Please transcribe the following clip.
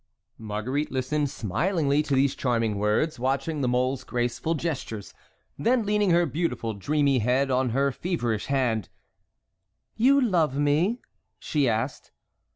Marguerite listened smilingly to these charming words, watching La Mole's graceful gestures, then leaning her beautiful dreamy head on her feverish hand: "You love me?" she asked.